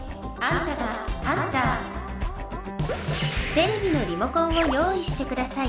テレビのリモコンを用意してください。